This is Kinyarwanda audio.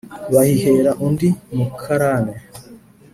bahihera undi mukarane